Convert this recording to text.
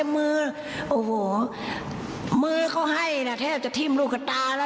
มือเขาให้แทบจะทิมลูกตาละ